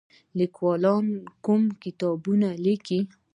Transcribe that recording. لیکوالان کوم کتابونه لیکي؟